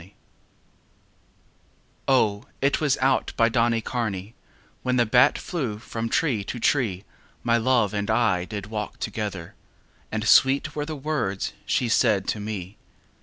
XXXI O, it was out by Donnycarney When the bat flew from tree to tree My love and I did walk together; And sweet were the words she said to me.